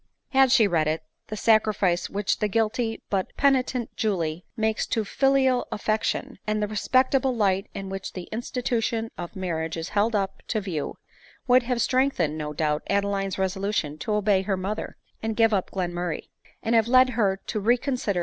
Had she read it, the sacrifice which the guilty but peni tent Julie makes to filial affection, and the respectable light in which the institution of marriage is held up to view, would have strengthened no doubt, Adeline's reso lution to obey her mother, and give up Glenmurray ; and have led her to reconsider